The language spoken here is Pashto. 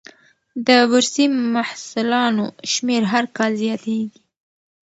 د بورسي محصلانو شمېر هر کال زیاتېږي.